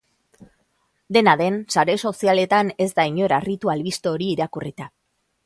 Dena den, sare sozialetan ez da inor harritu albiste hori irakurrita.